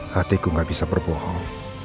hatiku gak bisa berbohong